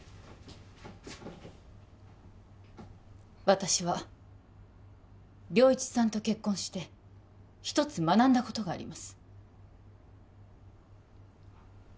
私は良一さんと結婚して一つ学んだことがあります